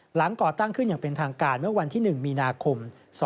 ก่อตั้งขึ้นอย่างเป็นทางการเมื่อวันที่๑มีนาคม๒๕๖